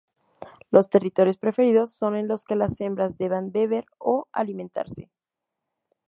Los territorios preferidos son en los que las hembras deban beber o alimentarse.